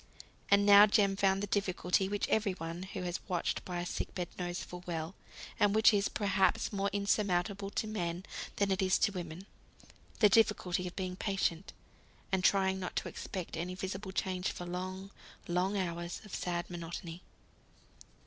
And now Jem found the difficulty which every one who has watched by a sick bed knows full well; and which is perhaps more insurmountable to men than it is to women, the difficulty of being patient, and trying not to expect any visible change for long, long hours of sad monotony.